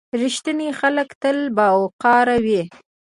• رښتیني خلک تل باوقاره وي.